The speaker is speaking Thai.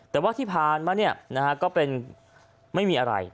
แต่ว่าที่ผ่านมาก็เป็นไม่มีอะไร